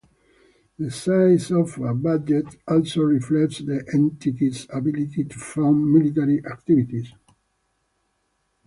The size of a budget also reflects the entity's ability to fund military activities.